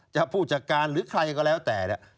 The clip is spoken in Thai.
ผู้จัดการหรือใครก็แล้วแต่เนี่ย